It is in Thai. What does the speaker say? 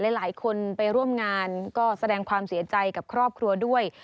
หลายคนไปร่วมงานก็แสดงความเสียใจกับครอบครัวด้วย